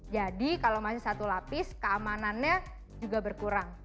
jadi kalau masih satu lapis keamanannya juga berkurang